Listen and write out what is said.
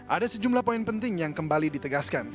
ada sejumlah poin penting yang kembali ditegaskan